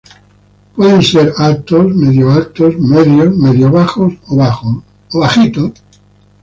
Pueden ser: altos, medio-altos, medios, medio-bajos o bajos.